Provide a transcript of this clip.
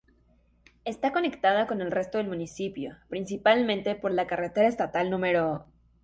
Está conectada con el resto del municipio principalmente por la carretera estatal No.